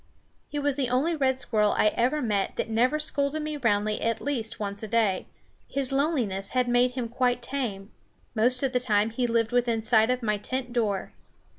He was the only red squirrel I ever met that never scolded me roundly at least once a day. His loneliness had made him quite tame. Most of the time he lived within sight of my tent door.